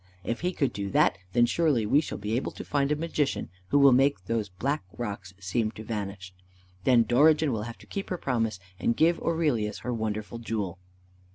If he could do that, then surely we shall be able to find a Magician who will make those black rocks seem to vanish. Then Dorigen will have to keep her promise and give Aurelius her wonderful jewel."